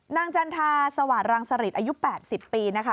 นางจันทราสวัสดิ์รังสฤษอายุ๘๐ปีนะคะ